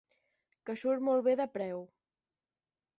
Que surt molt bé de preu.